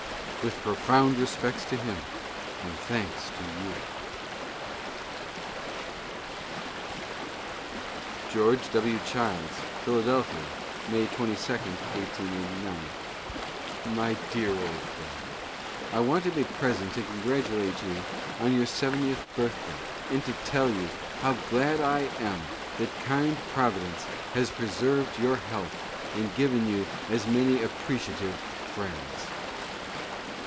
With profound re spects to him and thanks to you. * George W. Childs: Philadelphia, May 22, 1889.* My Dear Old Friend — I want to be present to congratulate you on your seventieth birthday, and to tell you how glad I am that kind Providence has preserved your health, and given you as many appreciative friends.